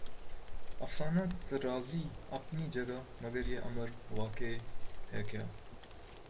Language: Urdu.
افسانہ طرازی اپنی جگہ مگر یہ امر واقعہ ہے کہ